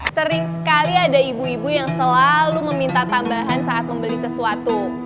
sering sekali ada ibu ibu yang selalu meminta tambahan saat membeli sesuatu